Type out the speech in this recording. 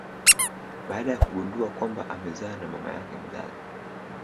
baada ya kugundua kwamba amezaa na mama yake mzazi.